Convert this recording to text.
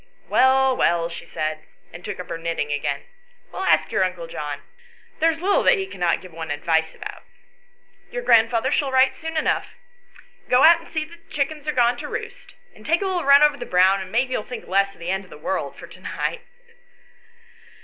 " Well, well," she said, and took up her knitting again, "we'll ask your uncle John. There's little that he cannot give one advice about. Your grand father shall write soon enough. Go out and see that the chickens are gone to roost, and take a little run over the brow, and maybe you'll think less of the end of the world for to night."